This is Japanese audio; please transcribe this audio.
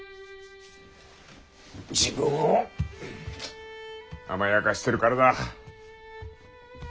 自分を甘やかしてるからだ。